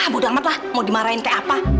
buda amat lah mau dimarahin kayak apa